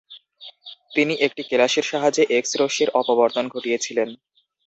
তিনি একটি কেলাসের সাহায্যে এক্স রশ্মির অপবর্তন ঘটিয়েছিলেন।